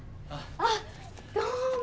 あっどうも。